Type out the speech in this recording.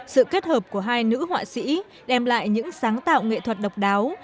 sự kết hợp của hai nữ họa sĩ đem lại những sáng tạo nghệ thuật độc đáo